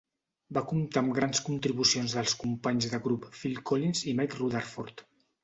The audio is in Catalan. Va comptar amb grans contribucions dels companys de grup Phil Collins i Mike Rutherford.